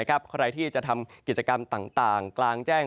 ใครที่จะทำกิจกรรมต่างกลางแจ้ง